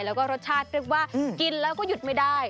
แล้วก็รสชาติเรียกว่ากินแล้วก็หยุดไม่ได้